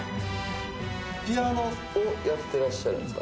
ピアノをやってらっしゃるんですか？